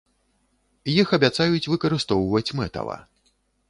Іх абяцаюць выкарыстоўваць мэтава.